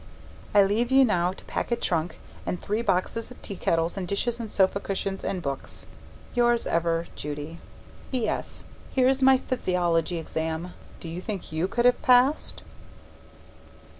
I leave you now to pack a trunk, and three boxes of teakettles and dishes and sofa cushions and books. Yours ever, Judy PS. Here is my physiology exam. Do you think you could have passed?